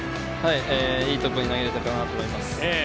いいところに投げられたと思います。